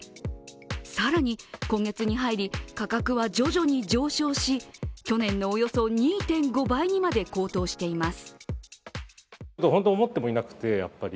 更に今月に入り価格は徐々に上昇し、去年のおよそ２．５倍にまで高騰しています。